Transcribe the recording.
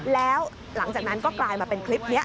แล้วหลังจากนั้นก็กลายมาเป็นคลิปนี้